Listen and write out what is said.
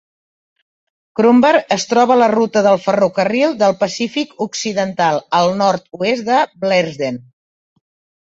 Cromberg es troba a la ruta del ferrocarril del Pacífic Occidental, al nord-oest de Blairsden.